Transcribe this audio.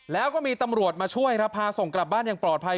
แล้วก็มีตำรวจมาช่วยครับพาส่งกลับบ้านอย่างปลอดภัย